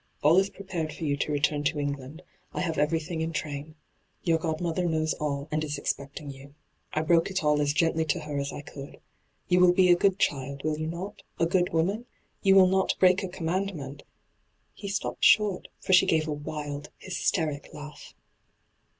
All is prepared for you to return to England ; I have everything in train. Your godmother knows all, and is D,gt,, 6rtbyGOO>^IC 240 ENTRAPPED expecting yon. I broke it all as gently to her as I could. You will be a good child, will you not — a good woman t You will not break a commandment ' He stopped short, for she gave a wild, hysteric laugh.